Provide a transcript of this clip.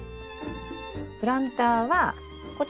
プランターはこちら。